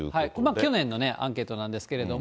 去年のアンケートなんですけれども。